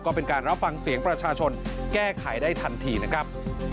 ก็เป็นการรับฟังเสียงประชาชนแก้ไขได้ทันทีนะครับ